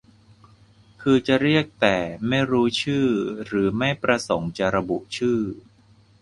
คือจะเรียกแต่ไม่รู้ชื่อหรือไม่ประสงค์จะระบุชื่อ